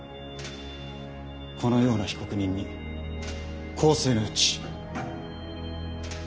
このような被告人に更生の余地。